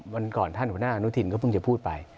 วันก่อนท่านหัวหน้าอนุทินก็เพิ่งจะพูดไป